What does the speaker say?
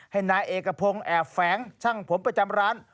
ให้นายเอกพงศ์แอบแฝงช่างผมประจำร้าน